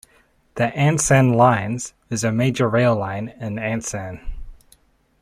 The Ansan Line is a major rail line in Ansan.